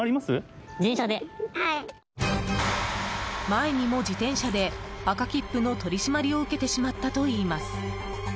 前にも自転車で赤切符の取り締まりを受けてしまったといいます。